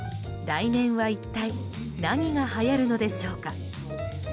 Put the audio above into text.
来年は一体何がはやるのでしょうか。